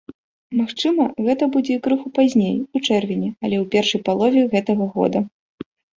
Магчыма, гэта будзе і крыху пазней, у чэрвені, але ў першай палове гэтага года.